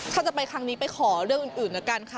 ถ้าจะไปครั้งนี้ไปขอเรื่องอื่นแล้วกันค่ะ